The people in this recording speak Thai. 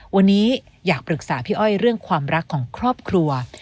วันนี้อยากปรึกษาพี่อ้อยเรื่องความรักของครอบครัว